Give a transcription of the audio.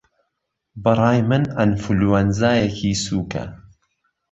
بەڕای من ئەنفلەوەنزایەکی سووکه